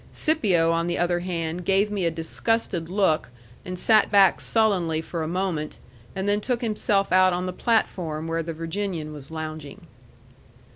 Scipio, on the other hand, gave me a disgusted look and sat back sullenly for a moment, and then took himself out on the platform, where the Virginian was lounging.